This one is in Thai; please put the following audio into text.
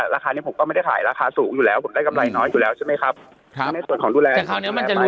ราคานี้ผมก็ไม่ได้ขายราคาสูงอยู่แล้วผมได้กำไรน้อยอยู่